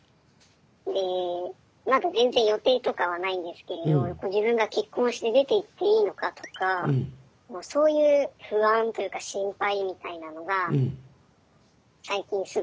でまだ全然予定とかはないんですけれど自分が結婚して出ていっていいのかとかそういう不安というか心配みたいなのが最近すごく大きくなってきていて。